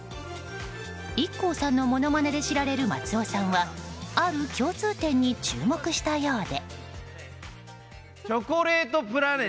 ＩＫＫＯさんのものまねで知られる松尾さんはある共通点に注目したようで。